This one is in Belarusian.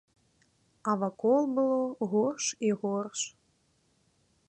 А вакол было горш і горш.